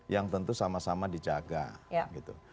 yang tentu sama sama dijaga gitu